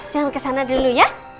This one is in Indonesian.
jangan kesana dulu ya